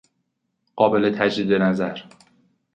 قابل تجدید نظر